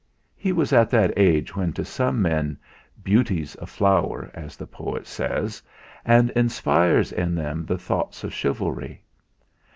He was at that age when to some men "Beauty's a flower," as the poet says, and inspires in them the thoughts of chivalry.